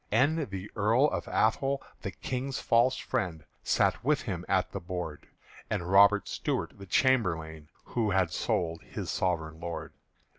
And the Earl of Athole, the King's false friend, Sat with him at the board; And Robert Stuart the chamberlain Who had sold his sovereign Lord.